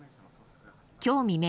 今日未明